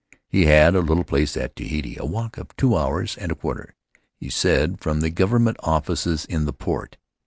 He had a little place at Tahiti, a walk of two hours and a quarter, he said, from the government offices in the port.